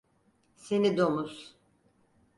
Seni domuz!